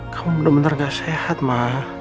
kamu benar benar gak sehat mah